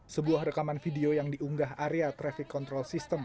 sebuah rekaman video yang diunggah area traffic control system